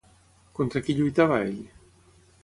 Contra qui lluitava ell?